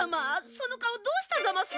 その顔どうしたざます？